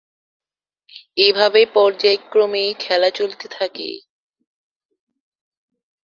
এভাবে পর্যায়ক্রমে খেলা চলতে থাকে।